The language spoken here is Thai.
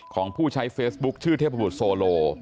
ของผู้ใช้เฟซบุ๊คชื่อเทพบุตรโซโล